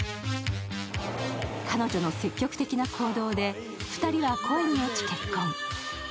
彼女の積極的な行動で２人は恋に落ち結婚。